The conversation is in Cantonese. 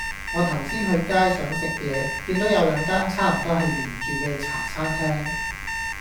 我頭先去街,想食野見到有兩間差唔多係連住既茶餐廳